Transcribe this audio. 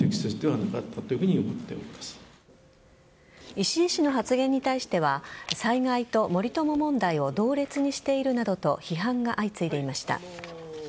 石井氏の発言に対しては災害と森友問題を同列にしているなどと批判が相次いでいました。